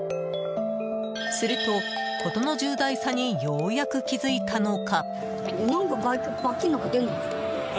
すると、事の重大さにようやく気づいたのか。